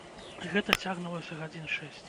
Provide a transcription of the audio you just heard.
Гэта цягнулася гадзін шэсць.